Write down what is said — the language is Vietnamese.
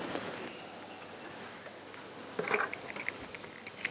nó sẽ khác